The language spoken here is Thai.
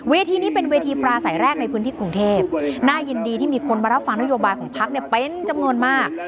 ที่นี้เป็นเวทีปลาใสแรกในพื้นที่กรุงเทพน่ายินดีที่มีคนมารับฟังนโยบายของพักเป็นจำนวนมาก